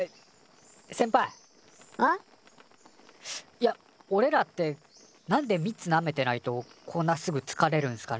いやおれらってなんで蜜なめてないとこんなすぐつかれるんすかね？